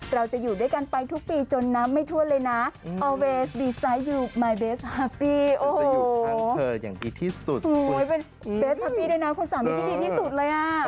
เราจะอยู่ด้วยกันไปทุกปีจนน้ำไม่ทวนเลยนะ